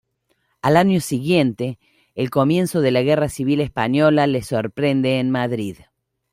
Al año siguiente, el comienzo de la Guerra Civil Española le sorprende en Madrid.